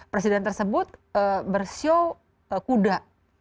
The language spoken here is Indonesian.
presiden tersebut bershow kuda